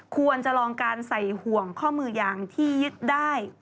ควรจะลองการใส่ห่วงข้อมือยางที่ยึดได้